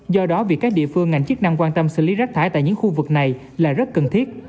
do đó việc các địa phương ngành chức năng quan tâm xử lý rác thải tại những khu vực này là rất cần thiết